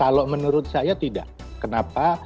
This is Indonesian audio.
kalau menurut saya tidak kenapa